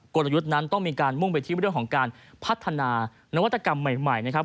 กลยุทธ์นั้นต้องมีการมุ่งไปที่เรื่องของการพัฒนานวัตกรรมใหม่นะครับ